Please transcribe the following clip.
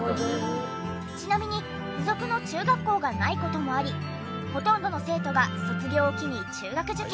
ちなみに付属の中学校がない事もありほとんどの生徒が卒業を機に中学受験。